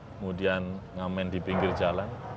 kemudian ngamen di pinggir jalan